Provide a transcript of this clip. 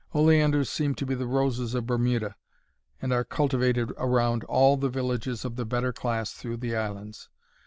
Oleanders seem to be the roses of Bermuda, and are cultivated round all the villages of the better class through the islands.